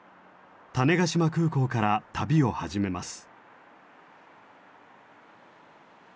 種子島空港から旅を始めます。